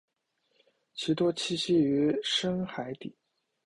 其多栖息于深海底。